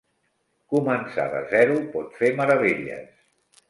Començar de zero pot fer meravelles.